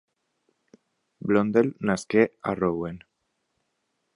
Blondel nasqué a Rouen.